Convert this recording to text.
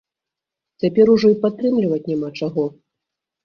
Цяпер ужо і падтрымліваць няма чаго.